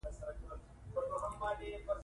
زموږ ټولنه نرواکې ده او پلار مشر دی